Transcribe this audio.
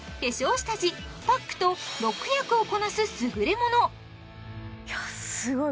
下地パックと６役をこなすすぐれものすごい